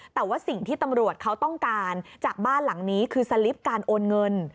แต่ว่าสิ่งที่ตำรวจเขาต้องการจากบ้านหลังนี้คือสลิปการโอนเงิน